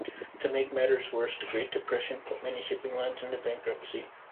To make matters worse, the Great Depression put many shipping lines into bankruptcy.